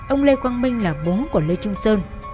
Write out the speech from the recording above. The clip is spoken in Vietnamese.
ông lê quang minh là bố của lê trung sơn